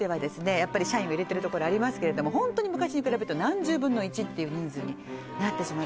やっぱり社員を入れてるところありますけれどもホントに昔に比べると何十分の一という人数になってしまいました